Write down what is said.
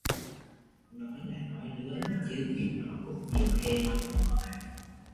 Nói là nói rứa chứ chuyện nó cũng nhiêu khê lắm